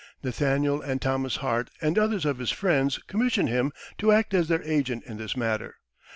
Nathaniel and Thomas Hart and others of his friends commissioned him to act as their agent in this matter.